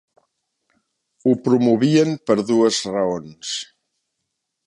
Ho promovien per dues raons.